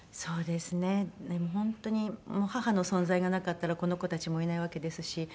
でも本当に義母の存在がなかったらこの子たちもいないわけですし。